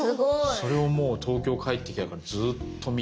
それをもう東京帰ってきてからずっと見て。